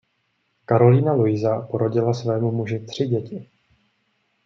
Karolína Luisa porodila svému muži tři děti.